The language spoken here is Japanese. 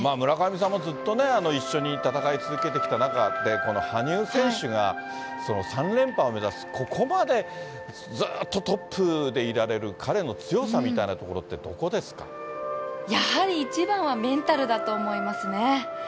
村上さんもずっとね、一緒に戦い続けてきた中で、この羽生選手が３連覇を目指す、ここまでずっとトップでいられる、彼の強さみたいなところってどこやはり、一番はメンタルだと思いますね。